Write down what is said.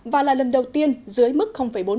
và là lần đầu tiên dưới mức bốn